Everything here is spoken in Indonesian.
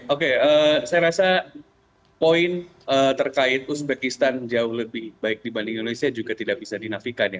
oke saya rasa poin terkait uzbekistan jauh lebih baik dibanding indonesia juga tidak bisa dinafikan ya